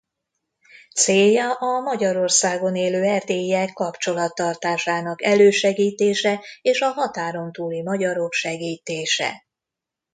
Célja a Magyarországon élő erdélyiek kapcsolattartásának elősegítése és a határon túli magyarok segítése.